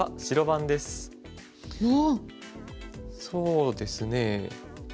そうですね。